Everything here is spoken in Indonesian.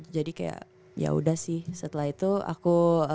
jadi kayak yaudah sih setelah itu aku